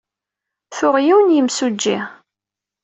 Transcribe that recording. Tuɣ yiwen n yemsujji.